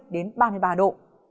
ba mươi đến ba mươi ba độ